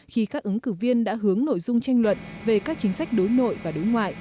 khi các ứng cử viên đã hướng nội dung tranh luận về các chính sách đối nội và đối ngoại